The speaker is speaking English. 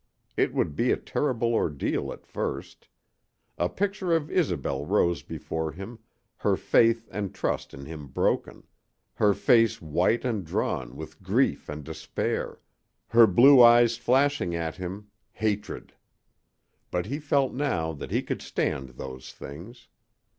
It would be a terrible ordeal at first. A picture of Isobel rose before him, her faith and trust in him broken, her face white and drawn with grief and despair, her blue eyes flashing at him hatred. But he felt now that he could stand those things.